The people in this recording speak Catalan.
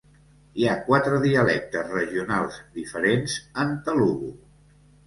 Hi ha quatre dialectes regionals diferents en telugu.